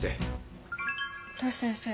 トシ先生。